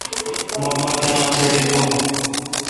مہ پا تناس ڈیزون